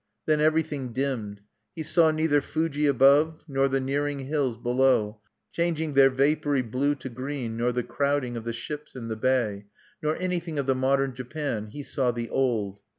Then everything dimmed: he saw neither Fuji above, nor the nearing hills below, changing their vapory blue to green, nor the crowding of the ships in the bay; nor anything of the modern Japan; he saw the Old.